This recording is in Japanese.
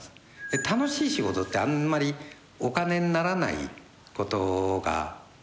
楽しい仕事ってあんまりお金にならないことが多いですね。